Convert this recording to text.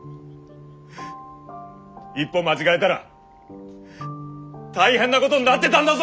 一歩間違えだら大変なごどになってだんだぞ？